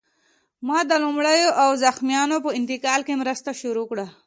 ما د مړیو او زخمیانو په انتقال کې مرسته شروع کړه